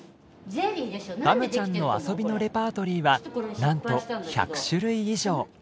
バムちゃんの遊びのレパートリーはなんと１００種類以上！